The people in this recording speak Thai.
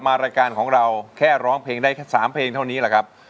รายการของเราแค่ร้องเพลงได้แค่๓เพลงเท่านี้แหละครับ